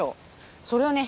それをね